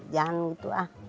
jangan gitu ah